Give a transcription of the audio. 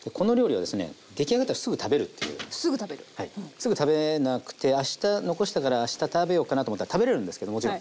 すぐ食べなくてあした残したからあした食べようかなと思ったら食べれるんですけどもちろん。